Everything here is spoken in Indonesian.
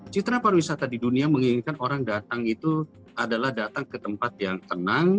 citra pariwisata di dunia menginginkan orang datang itu adalah datang ke tempat yang tenang